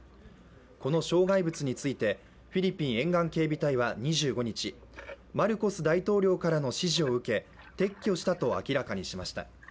この障害物についてフィリピン沿岸警備隊は２５日、マルコス大統領からの指示を受け、撤去したと明らかにしました。